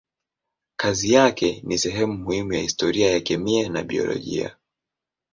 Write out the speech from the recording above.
Kazi yake ni sehemu muhimu ya historia ya kemia na biolojia.